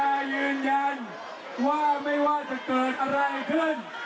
ยืนยันว่าไม่ว่าจะเกิดอะไรขึ้น